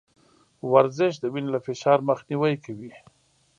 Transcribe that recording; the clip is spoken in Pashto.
ورزش د وينې له فشار مخنيوی کوي.